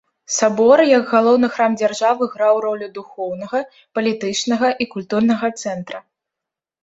Сабор як галоўны храм дзяржавы граў ролю духоўнага, палітычнага і культурнага цэнтра.